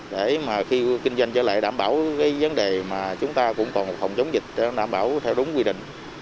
để khi kinh doanh trở lại đảm bảo vấn đề mà chúng ta cũng còn không chống dịch đảm bảo theo đúng quy định